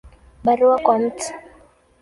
Barua kwa Mt.